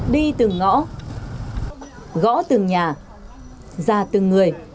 đi từng ngõ gõ từng nhà ra từng người